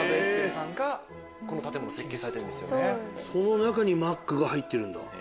その中にマックが入ってるんだ。